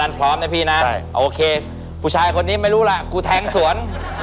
พร้อมนะพี่นะโอเคผู้ชายคนนี้ไม่รู้ล่ะกูแทงสวน